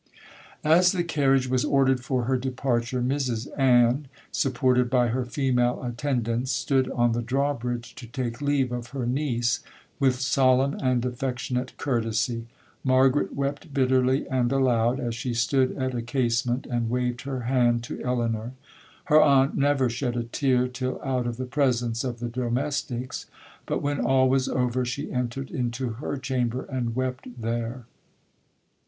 'As the carriage was ordered for her departure, Mrs Ann, supported by her female attendants, stood on the draw bridge to take leave of her niece, with solemn and affectionate courtesy. Margaret wept bitterly, and aloud, as she stood at a casement, and waved her hand to Elinor. Her aunt never shed a tear, till out of the presence of the domestics,—but when all was over,—'she entered into her chamber, and wept there.'